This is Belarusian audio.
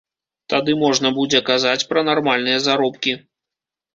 Тады можна будзе казаць пра нармальныя заробкі.